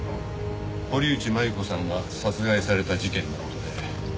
堀内真由子さんが殺害された事件の事で。